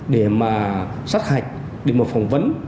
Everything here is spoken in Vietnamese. để mà sát hạch để mà phỏng vấn